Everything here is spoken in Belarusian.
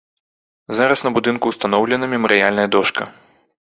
Зараз на будынку ўстаноўлена мемарыяльная дошка.